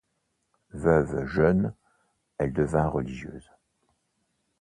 Veuve jeune, elle devint religieuse.